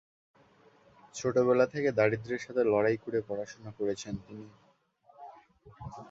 ছোটবেলা থেকে দারিদ্রের সাথে লড়াই করে পড়াশোনা করেছেন তিনি।